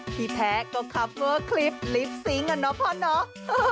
พี่แพ้ก็คับกลัวคลิปลิปซิ้งอ่ะเนอะพ่อเนอะ